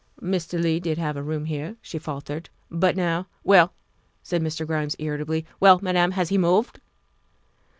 " Mr. Leigh did have a room here," she faltered, " but now " Well," said Mr. Grimes irritably, " well, Madam, has he moved?"